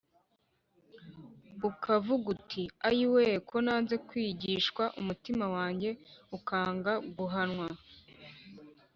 ukavuga uti “ayi we, ko nanze kwigishwa! umutima wanjye ukanga guhanwa